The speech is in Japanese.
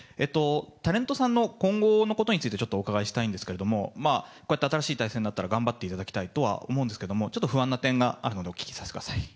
タレントさんの今後のことについて、ちょっとお伺いしたいんですけれども、こうやって新しい体制になったら、頑張っていただきたいとは思うんですけども、ちょっと不安な点があるので、お聞きさせてください。